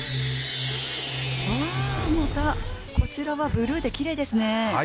こちらはブルーできれいですね。